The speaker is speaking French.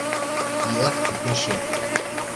hier tu pêchais.